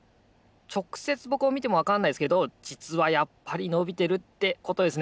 ちょくせつぼくをみてもわかんないですけどじつはやっぱりのびてるってことですねいやよかった！